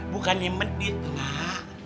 bukannya medit emak